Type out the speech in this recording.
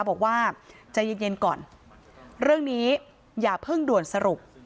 บอกว่าใจเย็นเย็นก่อนเรื่องนี้อย่าเพิ่งด่วนสรุป